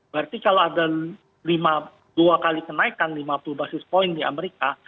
berarti kalau ada dua kali kenaikan lima puluh basis point di amerika